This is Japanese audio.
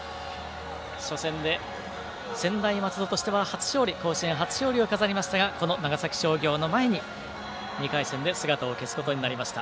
初戦で、専大松戸としては甲子園初勝利を飾りましたがこの長崎商業の前に、２回戦で姿を消すことになりました。